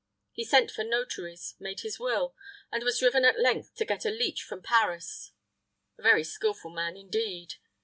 He sent for notaries, made his will, and was driven at length to get a leech from Paris a very skillful man indeed.